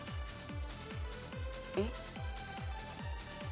えっ？